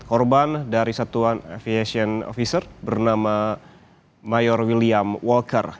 korban dari satuan aviation officer bernama mayor william walker